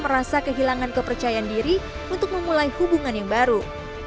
merasa kehilangan kepercayaan diri untuk memulai hubungan yang baru